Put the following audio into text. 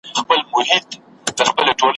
د کشپ غوندي به مځکي ته رالویږي ,